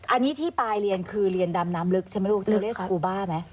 อันนี้ที่ปลายเรียนคือเรียนดำน้ำลึกใช่ไหมลูกเรียนอูบ้าไหม